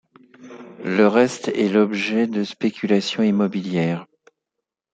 Le reste est l'objet de spéculation immobilière.